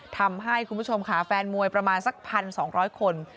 ทำให้คุณผู้ชมขาแฟนมวยประมาณสักพันสองร้อยคน